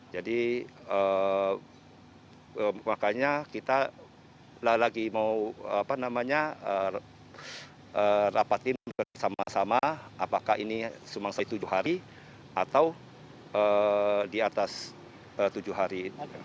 jadi makanya kita lagi mau rapatin bersama sama apakah ini tujuh hari atau di atas tujuh hari